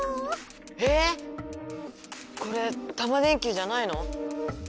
えっ⁉これタマ電Ｑじゃないの？